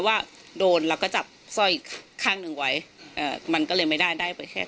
ว่าโดนเราก็จับสร้อยข้างหนึ่งไว้เอ่อมันก็เลยไม่ได้ได้ไปแค่